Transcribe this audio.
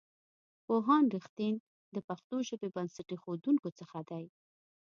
پوهاند رښتین د پښتو ژبې بنسټ ایښودونکو څخه دی.